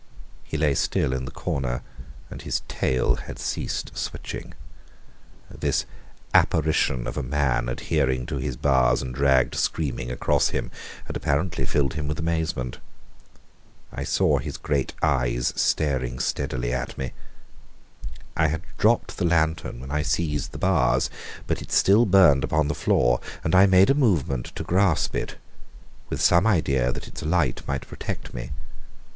He lay still in the corner, and his tail had ceased switching. This apparition of a man adhering to his bars and dragged screaming across him had apparently filled him with amazement. I saw his great eyes staring steadily at me. I had dropped the lantern when I seized the bars, but it still burned upon the floor, and I made a movement to grasp it, with some idea that its light might protect me.